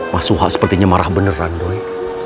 mas suha sepertinya marah beneran doi